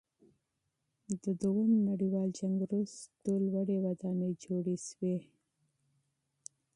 د دویم نړیوال جنګ وروسته لوړې ودانۍ جوړې شوې.